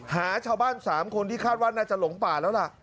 หาชาวบ้าน๓คนที่คาดว่าน่าจะหลงป่าแล้วล่ะ